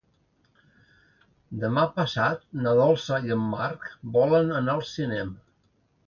Demà passat na Dolça i en Marc volen anar al cinema.